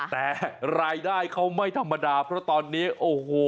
แต่รายได้เขาไม่ธรรมดาเพราะตอนนี้โอ้โห